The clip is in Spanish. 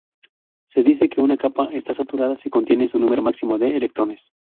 Se dice que una capa está saturada si contiene su número máximo de electrones.